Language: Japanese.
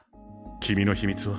君の秘密は？